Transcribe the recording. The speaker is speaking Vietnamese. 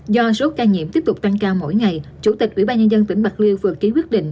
do số ca nhiễm tiếp tục tăng cao mỗi ngày chủ tịch ủy ban nhân dân tỉnh bạc liêu vừa ký quyết định